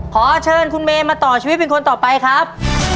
ขอเชิญคุณเมย์มาต่อชีวิตเป็นคนต่อไปครับ